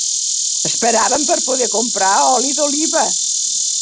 Esperaven per poder comprar oli d'oliva